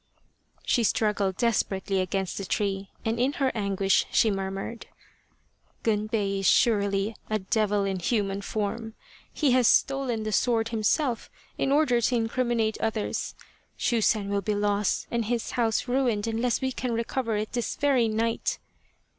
She struggled desperately against the tree and in her anguish she murmured :" Gunbei is surely a devil in human form. He has stolen the sword himself in order to incriminate others. Shusen will be lost and his house ruined unless we can recover it this very night."